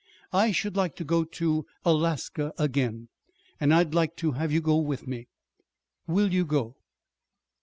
I should like to go to Alaska again; and I'd like to have you go with me. Will you go?"